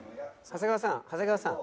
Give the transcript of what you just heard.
「長谷川さん長谷川さん」。